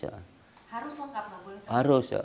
harus lengkap nggak boleh